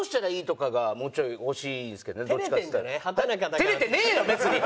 照れてねえよ別に！